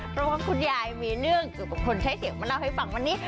เพราะว่าคุณยายมีเรื่องเกี่ยวกับคนใช้เสียงมาเล่าให้ฟังวันนี้